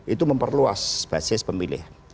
itu memperluas basis pemilih